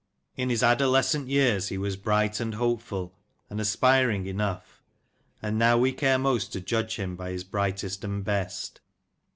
In his adolescent years he was bright and hopeful and aspiring enough, and now we care most to judge him by his brightest and best.